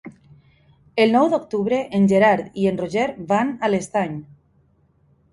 El nou d'octubre en Gerard i en Roger van a l'Estany.